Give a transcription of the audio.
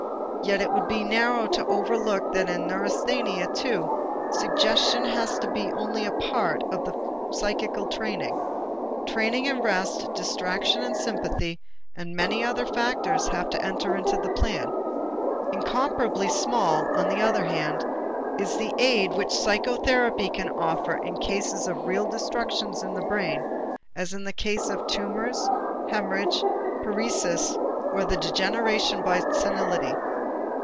Yet it would be narrow to overlook that in neurasthenia, too, suggestion has to be only a part of the psychical treatment. Training and rest, distraction and sympathy and many other factors have to enter into the plan. Incomparably small, on the other hand, is the aid which psychotherapy can offer in cases of real destructions in the brain, as in the case of tumors, hemorrhage, paresis or the degeneration by senility.